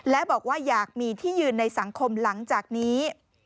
และบอกว่าอยากมีที่ยืนในสังคมหลังจากนี้